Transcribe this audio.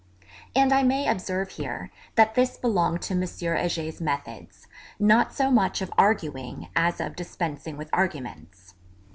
And I may observe here, that this belonged to M. Heger's methods, not so much of arguing, as of dispensing with arguments.